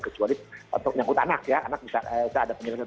kecuali untuk menyangkut anak anak bisa ada penyelesaian